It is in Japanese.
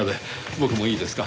僕もいいですか？